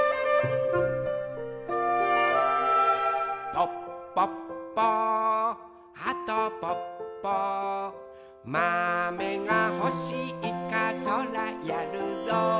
「ぽっぽっぽはとぽっぽ」「まめがほしいかそらやるぞ」